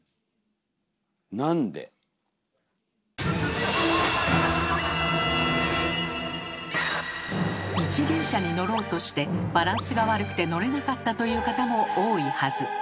なんで⁉一輪車に乗ろうとしてバランスが悪くて乗れなかったという方も多いはず。